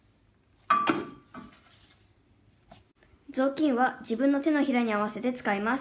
「ぞうきんは自分の手のひらに合わせて使います。